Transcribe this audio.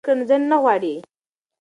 زده کړه ځنډ نه غواړي.